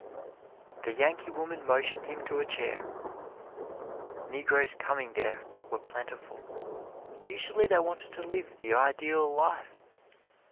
The Yankee woman motioned him to a chair. Negroes coming there were plentiful. Usually they wanted to live the Ideal Life.